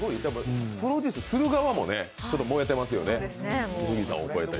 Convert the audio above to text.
プロデュースする側も燃えてますよね。